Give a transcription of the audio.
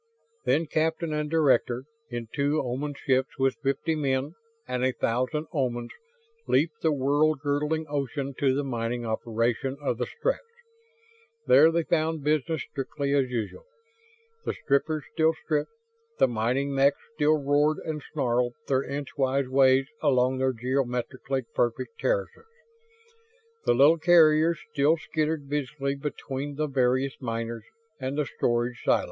Then captain and director, in two Oman ships with fifty men and a thousand Omans, leaped the world girdling ocean to the mining operation of the Stretts. There they found business strictly as usual. The strippers still stripped; the mining mechs still roared and snarled their inchwise ways along their geometrically perfect terraces; the little carriers still skittered busily between the various miners and the storage silos.